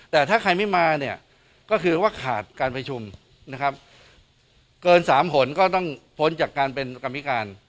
แต่ถ้าใครไม่มาเนี่ยก็คือว่าขาดการประชุมนะครับเกิน๓หนก็ต้องพ้นจากการเป็นกรรมธิการ